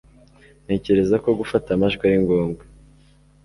Ntekereza ko gufata amajwi ari ngombwa